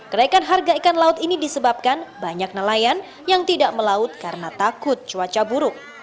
kenaikan harga ikan laut ini disebabkan banyak nelayan yang tidak melaut karena takut cuaca buruk